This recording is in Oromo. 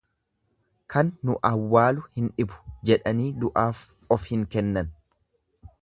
Kan nu awwaalu hin dhibu jedhanii du'aaf of hin kennan.